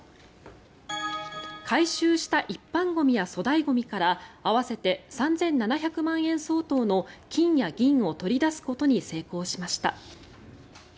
回収した一般ゴミや粗大ゴミから合わせて３７００万円相当の金や銀を取り出すことに成功しました。